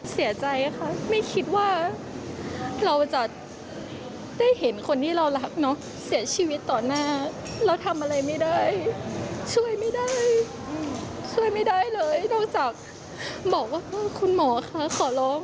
เสียใจค่ะไม่คิดว่าเราจะได้เห็นคนที่เรารักน้อง